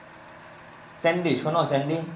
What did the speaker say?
Sandy, শোনো Sandy.